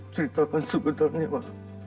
ceritakan sebentar ma